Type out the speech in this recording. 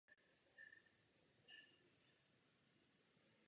Mládí prožil ve Florencii.